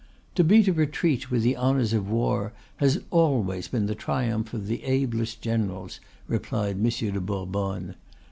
"To beat a retreat with the honors of war has always been the triumph of the ablest generals," replied Monsieur de Bourbonne.